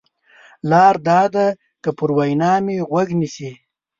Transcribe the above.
لار دا ده که پر وینا مې غوږ نیسې.